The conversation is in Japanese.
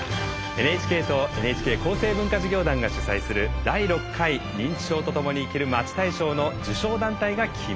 ＮＨＫとＮＨＫ厚生文化事業団が主催する「第６回認知症とともに生きるまち大賞」の受賞団体が決まりました。